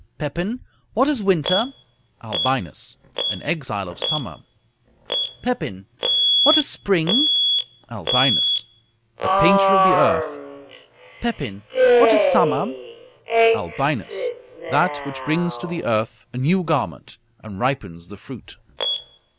Pepin What is winter? Albinus An exile of summer. Pepin What is spring? Albinus A painter of the earth. Pepin What is summer? Albinus That which brings to the earth a new garment, and ripens the fruit.